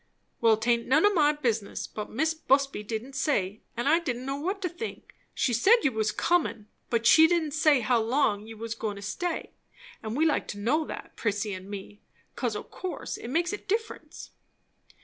"Well, 'taint none o' my business, but Mis' Busby didn't say, and I didn't know what to think. She said you was comin', but she didn't say how long you was goin' to stay; and we'd like to know that, Prissy and me; 'cause o' course it makes a difference."